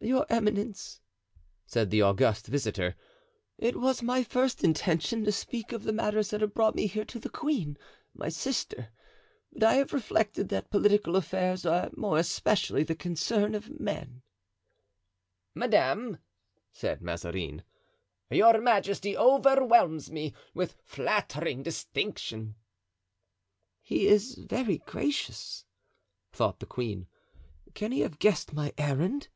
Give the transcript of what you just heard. "Your eminence," said the august visitor, "it was my first intention to speak of the matters that have brought me here to the queen, my sister, but I have reflected that political affairs are more especially the concern of men." "Madame," said Mazarin, "your majesty overwhelms me with flattering distinction." "He is very gracious," thought the queen; "can he have guessed my errand?"